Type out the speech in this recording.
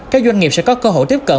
các doanh nghiệp sẽ có cơ hội tiếp cận